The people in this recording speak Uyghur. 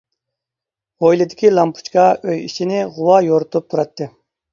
ھويلىدىكى لامپۇچكا ئۆي ئىچىنى غۇۋا يورۇتۇپ تۇراتتى.